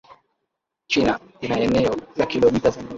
China ina eneo la kilomita za mraba